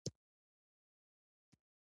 ګډونوالو به په جوش او جذبه سندرې ویلې.